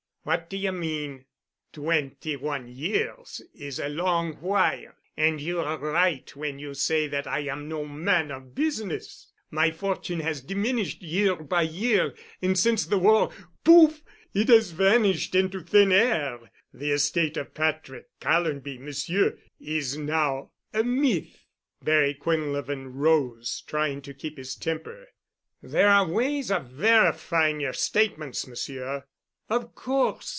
"What do ye mean?" "Twenty one years is a long while. And you are right when you say that I am no man of business. My fortune has diminished year by year and since the war—pouf! it has vanished into thin air. The estate of Patrick Callonby, Monsieur, is now a myth." Barry Quinlevin rose, trying to keep his temper. "There are ways of verifying yer statements, Monsieur." "Of course.